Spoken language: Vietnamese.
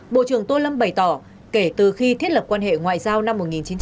bộ trưởng tô lâm bày tỏ kể từ khi thiết lập quan hệ ngoại giao năm một nghìn chín trăm bảy mươi